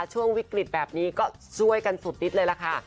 ช่วงวิกฤตแบบนี้ก็ช่วยกันสุดนิดเลยล่ะค่ะ